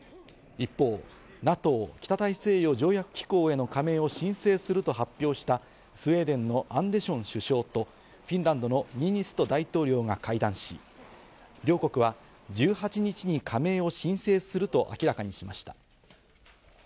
一方、ＮＡＴＯ＝北大西洋条約機構への加盟を申請すると発表したスウェーデンのアンデション首相とフィンランドのニーニスト大統領と会談し、両国は１８日に加盟を申請すると明らかにしました。